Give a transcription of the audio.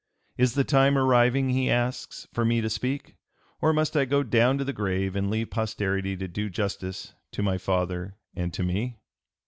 "Is the time arriving," he asks, "for me to speak? or must I go down to the grave and leave posterity to do justice to my father and to me?"